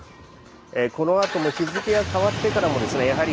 このあとも日付が変わってからもですね